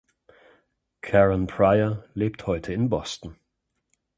Karen Pryor lebt heute in Boston.